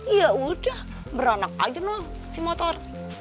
ya udah beranak aja dong si motor